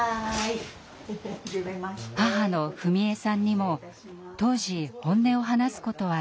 母のふみ江さんにも当時本音を話すことはできませんでした。